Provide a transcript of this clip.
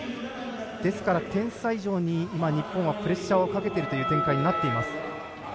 ですから点差以上に日本はプレッシャーをかけているという展開になっています。